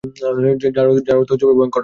যার অর্থ ভয়ঙ্কর রাত।